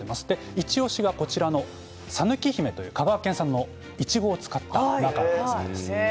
イチおしがさぬきひめという香川県産のいちごを使ったマカロンです。